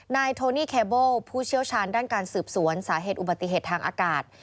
นายโทนี่เคเบิลผู้เชี่ยวชาญด้านการสืบสวนสาเหตุอุบัติเหตุทางอากาศ